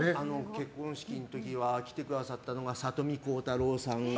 結婚式の時は来てくださったのが里見浩太朗さん